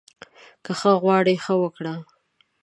که ښه غواړې، ښه وکړه